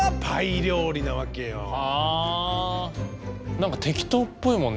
何か適当っぽいもんね